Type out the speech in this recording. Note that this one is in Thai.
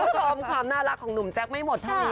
ชอบความน่ารักของหนุ่มแจ๊กไม่หมด